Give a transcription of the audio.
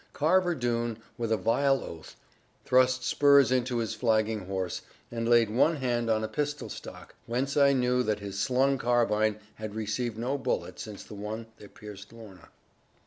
Carver Doone, with a vile oath, thrust spurs into his flagging horse, and laid one hand on a pistol stock, whence I knew that his slung carbine had received no bullet since the one that pierced Lorna.